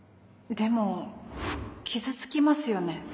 でも傷つきますよね。